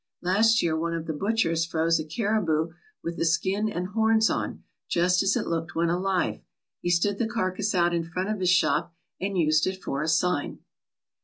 Last year one of the butchers froze a caribou with the skin and horns on, just as it looked when alive. He stood the carcass out in front of his shop and used it for a sign."